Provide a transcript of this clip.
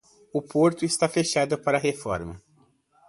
O porto está fechado para reforma.